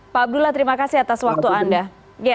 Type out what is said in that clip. pak abdullah terima kasih atas waktu anda